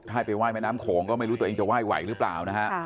ถ้าให้ไปไห้แม่น้ำโขงก็ไม่รู้ตัวเองจะไหว้ไหวหรือเปล่านะฮะ